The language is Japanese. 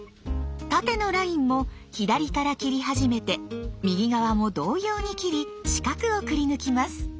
縦のラインも左から切り始めて右側も同様に切り四角をくりぬきます。